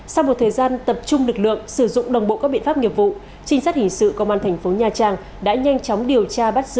sau một thời gian tập trung lực lượng sử dụng đồng bộ các biện pháp nghiệp vụ trinh sát hình sự công an thành phố nha trang đã nhanh chóng điều tra bắt giữ